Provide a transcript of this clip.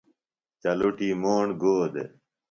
چلٹُی موݨ گودےۡ؟